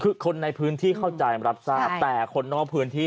คือคนในพื้นที่เข้าใจรับทราบแต่คนนอกพื้นที่